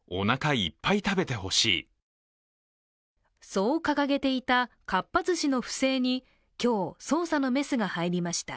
そう掲げていたかっぱ寿司の不正に今日、捜査のメスが入りました。